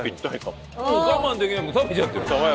もう我慢できなくて食べちゃってる。